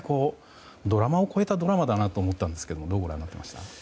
ドラマを超えたドラマだなと思ったんですがどうご覧になっていました？